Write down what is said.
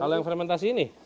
kalau yang fermentasi ini